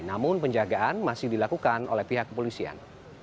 namun penjagaan masih dilakukan oleh pihak kepolisian